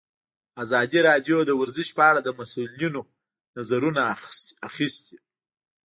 ازادي راډیو د ورزش په اړه د مسؤلینو نظرونه اخیستي.